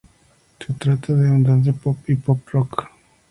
Se trata de un dance-pop y pop rock.